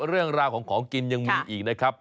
เรื่องราวของของกินยังมีอีกนะครับ